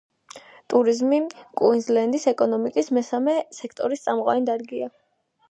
ტურიზმი კუინზლენდის ეკონომიკის მესამე სექტორის წამყვანი დარგია.